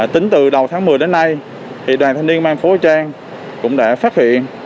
tính từ đầu tháng một mươi đến nay đoàn thanh niên mang phố trang cũng đã phát hiện